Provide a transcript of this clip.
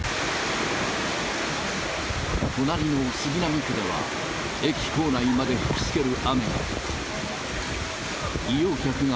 隣の杉並区では、駅構内まで吹きつける雨が。